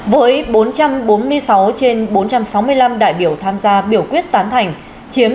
với bốn trăm bốn mươi sáu trên bốn trăm sáu mươi năm đại biểu tham gia biểu quyết toán thành chiếm chín mươi hai mươi tám